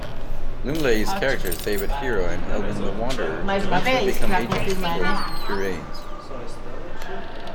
Lumley's characters David Hero and Eldin the Wanderer eventually become agents for Kuranes.